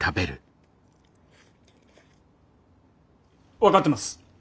分かってます。